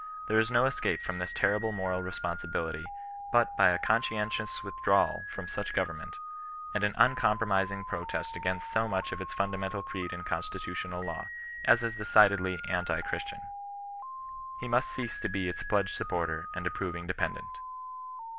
There is no escape from this terrible moral responsibility but by a conscientious withdrawal from such government, and an uncompromising protest against so much of its fundamental creed and constitutional law, as is decidedly anti Christian, He must cease to be its pledged sup porter and approving dependent.